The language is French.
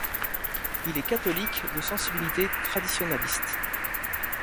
Il est catholique de sensibilité traditionaliste.